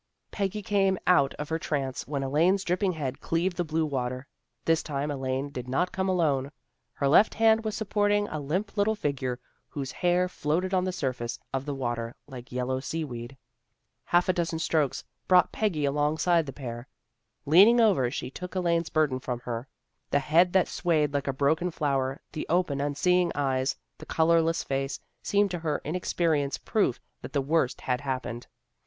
Peggy came out of her trance when Elaine's dripping head cleaved the blue water. This tune Elaine did not come alone. Her left hand was supporting a limp little figure, whose hair floated on the surface of the water like yellow seaweed. Half a dozen strokes brought Peggy alongside the pair. Leaning over, she took Elaine's burden from her. The head that swayed like a broken flower, the open, unseeing eyes, the colorless face, seemed to her inex perience proof that the worst had happened.